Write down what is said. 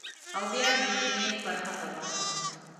او بیا د چینې پر هغه غاړه